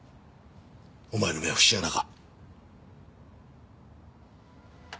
お前の目は節穴か？